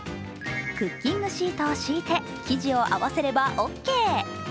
クッキングシートを敷いて生地を合わせればオーケー。